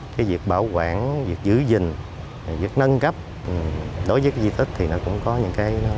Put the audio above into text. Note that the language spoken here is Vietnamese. cái việc bảo quản việc giữ gìn việc nâng cấp đối với cái di tích thì nó cũng có những cái